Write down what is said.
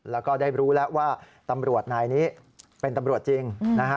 แล้วก็ได้รู้แล้วว่าตำรวจนายนี้เป็นตำรวจจริงนะฮะ